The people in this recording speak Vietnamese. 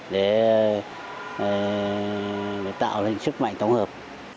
để tạo lên sức mạnh tổng hợp